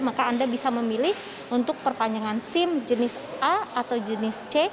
maka anda bisa memilih untuk perpanjangan sim jenis a atau jenis c